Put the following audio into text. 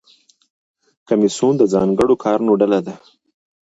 کمیسیون د ځانګړو کارونو ډله ده